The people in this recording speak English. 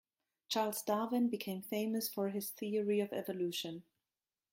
Charles Darwin became famous for his theory of evolution.